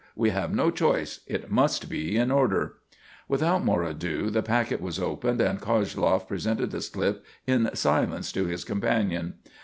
We have no choice. It must be in order." Without more ado the packet was opened and Koshloff presented the slip in silence to his companion.